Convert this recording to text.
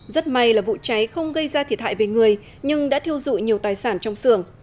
rất may là vụ cháy không gây ra thiệt hại về người nhưng đã thiêu dụi nhiều tài sản trong xưởng